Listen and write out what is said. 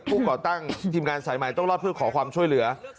ก่อตั้งทีมงานสายใหม่ต้องรอดเพื่อขอความช่วยเหลือ